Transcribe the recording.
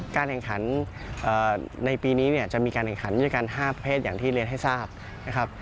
การแข่งขันในปีนี้เนี่ยจะมีการแข่งขันด้วยกัน๕เพศอย่างที่เรียนให้ทราบนะครับ